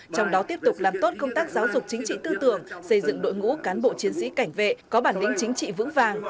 trong đó tiếp tục làm tốt công tác giáo dục chính trị tư tưởng xây dựng đội ngũ cán bộ chiến sĩ cảnh vệ có bản lĩnh chính trị vững vàng